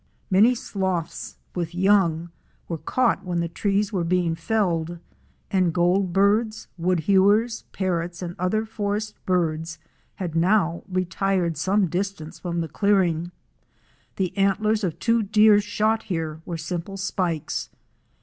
Many sloths with young were caught when the trees were being felled, and Goldbirds, Woodhewers, Parrots and other forest birds had now retired some distance from the clearing. The antlers of two deer shot here were simple spikes.